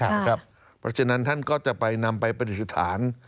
เพราะฉะนั้นท่านก็จะไปนำไปปฏิสถาน